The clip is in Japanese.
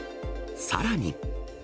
さらに。